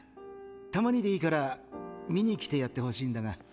たまにでいいから見に来てやってほしいんだが。